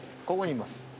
ここにいます。